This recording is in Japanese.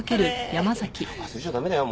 忘れちゃダメだよ